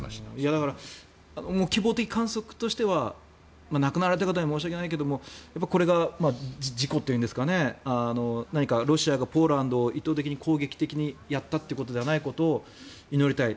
だから希望的観測としては亡くなられた方には申し訳ないんですがこれが事故といいますか何かロシアがポーランドを意図的にやったということではないということを祈りたい。